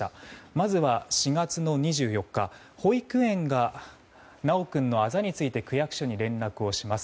まずは４月２４日、保育園が修君のあざについて区役所に連絡をします。